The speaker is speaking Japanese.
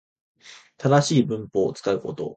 正しい文法を使うこと